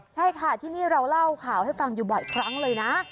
ใช่ค่ะที่นี่เราเล่าข่าวให้ฟังอยู่บ่อยครั้งเลยนะ